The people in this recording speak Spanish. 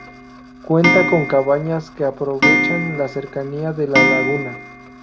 Cuenta con cabañas que aprovechan la cercanía de la laguna.